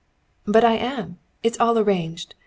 "But I am! It's all arranged.